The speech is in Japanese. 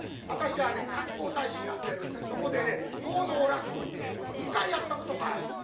私はね観光大使やってるんでそこでね奉納落語ってえもの２回やったことがある。